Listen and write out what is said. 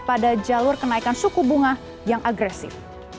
pada jalur kenaikan suku bunga yang agresif